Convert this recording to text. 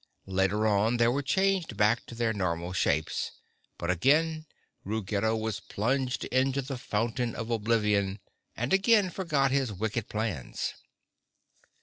Later on they were changed back to their normal shapes, but again Ruggedo was plunged into the Fountain of Oblivion and again forgot his wicked plans.